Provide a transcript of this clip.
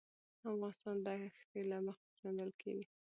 افغانستان د ښتې له مخې پېژندل کېږي.